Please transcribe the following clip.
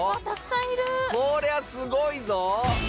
これはすごいぞ。